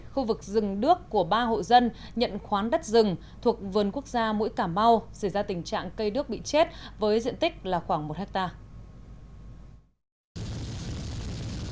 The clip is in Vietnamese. khu vực rừng đước của ba hộ dân nhận khoán đất rừng thuộc vườn quốc gia mũi cảm mau xảy ra tình trạng cây nước bị chết với diện tích là khoảng một hectare